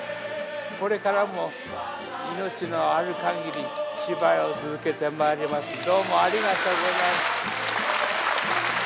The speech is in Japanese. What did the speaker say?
これからも命のあるかぎり、芝居を続けてまいります、どうもありがとうございました。